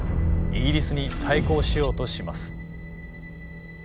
イギリスに対抗しようとします。